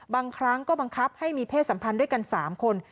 บางครั้งก็บังคับให้มีเพศสัมพันธ์ด้วยกัน๓คน